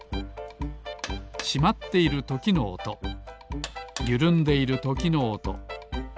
しまっているときのおとゆるんでいるときのおとコンコン。